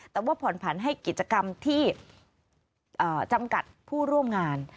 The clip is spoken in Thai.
แต่ว่าผ่อนผันให้กิจกรรมที่จำกัดผู้ร่วมงาน